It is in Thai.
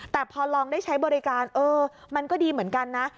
แต่พอลองได้ใช้บริการเออมันก็ดีเหมือนกันนะ